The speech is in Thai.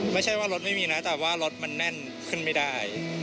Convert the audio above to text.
ไม่ใช่ว่ารถไม่มีนะแต่ว่ารถมันแน่นขึ้นไม่ได้